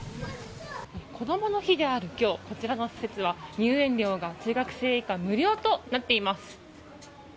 こどもの日である今日こちらの施設は、入園料が中学生以下無料となっています。